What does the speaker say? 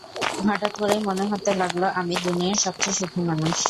হঠাৎ করেই মনে হতে লাগলো আমি দুনিয়ার সবচে সুখী মানুষ।